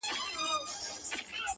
خلګ وایې د قاضي صاب مهماني ده,